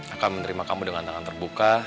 akan menerima kamu dengan tangan terbuka